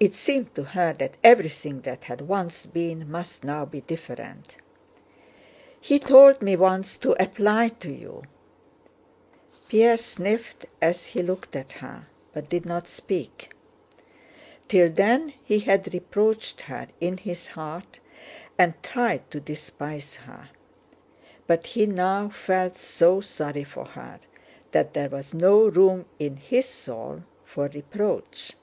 (It seemed to her that everything that had once been must now be different.) "He told me once to apply to you..." Pierre sniffed as he looked at her, but did not speak. Till then he had reproached her in his heart and tried to despise her, but he now felt so sorry for her that there was no room in his soul for reproach.